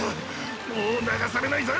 もう流されないぞ。